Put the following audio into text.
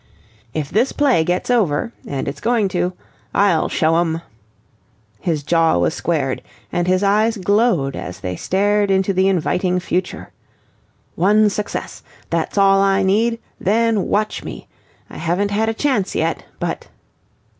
"If this play get over and it's going to I'll show 'em!" His jaw was squared, and his eyes glowed as they stared into the inviting future. "One success that's all I need then watch me! I haven't had a chance yet, but..."